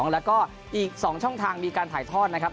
แล้วก็อีก๒ช่องทางมีการถ่ายทอดนะครับ